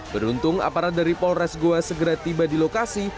beruntung aparat dari polres goa segera tiba di lokasi